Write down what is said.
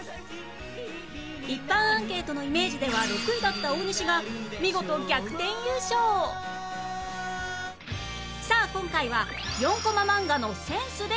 一般アンケートのイメージでは６位だった大西が見事さあ今回は４コマ漫画のセンスで勝負！